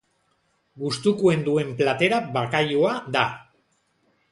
Gustukoen duen platera bakailaoa da.